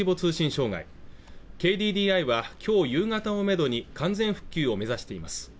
障害ＫＤＤＩはきょう夕方をめどに完全復旧を目指しています